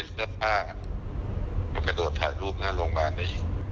เห็นหรือเป็นรับผ้าเขากระโดดถ่ายรูปหน้าโรงพยาบาลได้ยิน